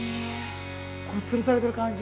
◆つるされてる感じ。